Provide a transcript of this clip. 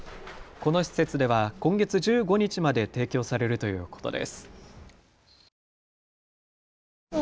この施設では今月１５日まで提供されるということです。